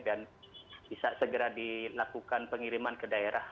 dan bisa segera dilakukan pengiriman ke daerah